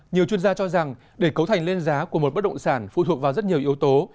nhiều chuyên gia cho rằng để cấu thành lên giá của một bất động sản phụ thuộc vào rất nhiều yếu tố